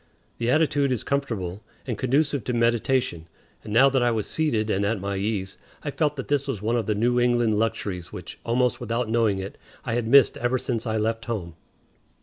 The attitude is comfortable and conducive to meditation; and now that I was seated and at my ease, I felt that this was one of the New England luxuries which, almost without knowing it, I had missed ever since I left home.